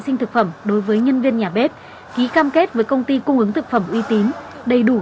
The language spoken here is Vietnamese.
sinh thực phẩm đối với nhân viên nhà bếp ký cam kết với công ty cung ứng thực phẩm uy tín đầy đủ